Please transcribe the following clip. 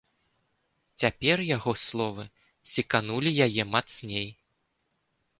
Цяпер яго словы секанулі яе мацней.